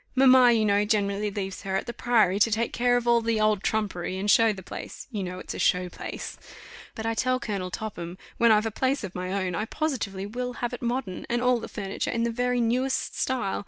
Mamma, you know, generally leaves her at the Priory, to take care of all the old trumpery, and show the place you know it's a show place. But I tell Colonel Topham, when I've a place of my own, I positively will have it modern, and all the furniture in the very newest style.